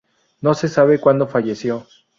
No se sabe cuándo falleció.